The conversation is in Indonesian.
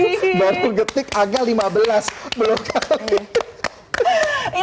aku baru ketik agak lima belas belum kali